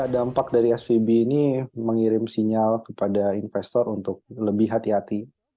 dampak dari svb ini mengirim sinyal kepada investor untuk lebih hati hati